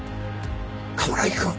冠城くん！